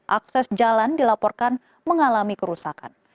akses jalan dilaporkan mengalami kerusakan